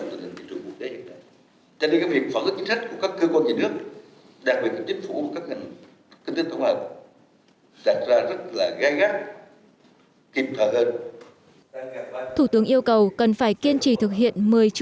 tuy vậy thủ tướng yêu cầu không được chủ quan mà phải tiếp tục tập trung thực hiện mục tiêu tăng khả quan